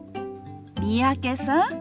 三宅さん。